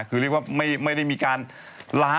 คือเรียกว่าไม่ได้มีการล้า